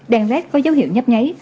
đèn rác có dấu hiệu nhấp nháy